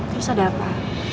terus ada apa